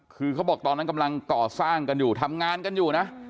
คือเขาบอกตอนนั้นกำลังก่อสร้างกันอยู่ทำงานกันอยู่นะ